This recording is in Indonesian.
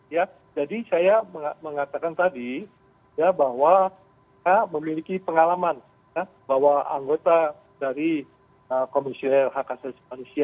ya jadi saya mengatakan tadi ya bahwa kita memiliki pengalaman bahwa anggota dari komisioner hak asasi manusia